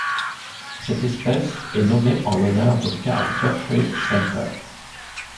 Cette espèce est nommée en l'honneur de Karl Gottfried Semper.